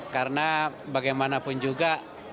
karena bagaimanapun juga